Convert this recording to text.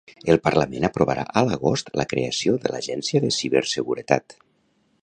El Parlament aprovarà a l'agost la creació de la l'Agència de Ciberseguretat.